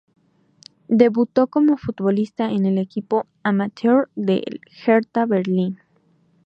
Debutó como futbolista en el equipo amateur del Hertha Berlín.